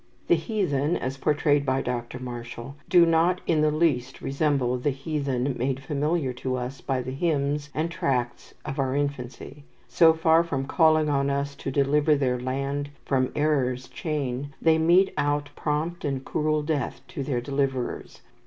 The heathen, as portrayed by Dr. Marshall, do not in the least resemble the heathen made familiar to us by the hymns and tracts of our infancy. So far from calling on us to deliver their land "from error's chain," they mete out prompt and cruel death to their deliverers.